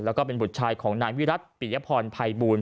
แล้วก็เป็นบุตรชายของนายวิรัติปิยพรภัยบูล